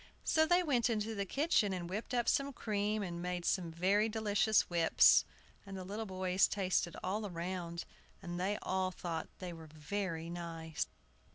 So they went into the kitchen, and whipped up the cream, and made some very delicious whips; and the little boys tasted all round, and they all thought they were very nice.